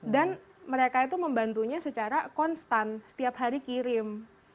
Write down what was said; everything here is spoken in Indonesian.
dan mereka itu membantunya secara konstan setiap hari kirim